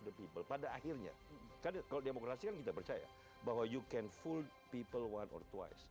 the people pada akhirnya kan kalau demokrasi kan kita percaya bahwa you can full people one or twist